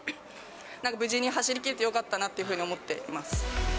なんか無事に走りきれてよかったなっていうふうに思ってます。